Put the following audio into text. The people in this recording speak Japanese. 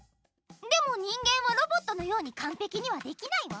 でも人間はロボットのようにかんぺきにはできないわ。